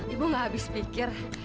ibu gak habis pikir